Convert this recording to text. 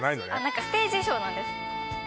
何かステージ衣装なんです